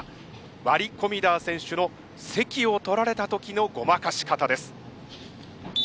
ワリ・コミダー選手の席を取られた時のごまかし方です。